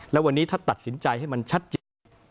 แล้ววันนี้ถ้าตัดสินใจให้มันชัดเจน